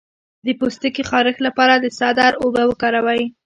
د پوستکي خارښ لپاره د سدر اوبه وکاروئ